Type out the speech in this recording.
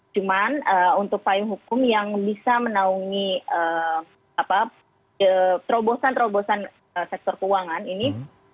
cuman untuk payung hukum yang bisa menaungi terobosan terobosan sektor keuangan ini